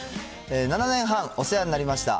７年半、お世話になりました。